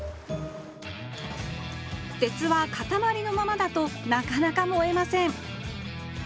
鉄はかたまりのままだとなかなか燃えません